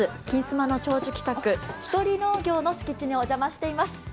「金スマ」の長寿企画ひとり農業の敷地内にお邪魔しています。